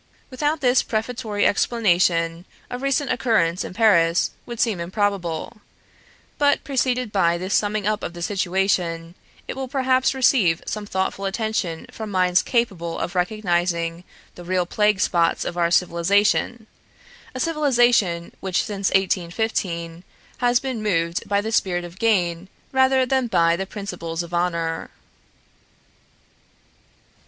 Without this prefatory explanation a recent occurrence in Paris would seem improbable; but preceded by this summing up of the situation, it will perhaps receive some thoughtful attention from minds capable o£ recognizing the real plague spots of our civilization, a civilization which since 1815 has been moved by the spirit of gain rather than by principles of honor.